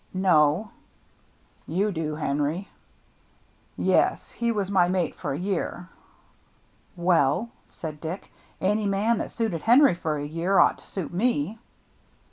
" No." "You do, Henry?" " Yes, he was my mate for a year." " Well," said Dick, " any man that suited Henry for a year ought to suit me."